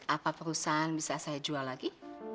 apa perusahaan bisa saya jual lagi